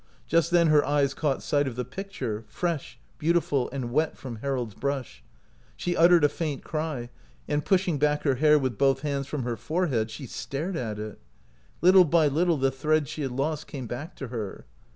Just then her eyes caught sight of the picture, fresh, beautiful, and wet from Harold's brush. She uttered a faint cry, and, pushing back her hair with both hands from her forehead, she stared at it. Little by little the thread she had lost came back to her.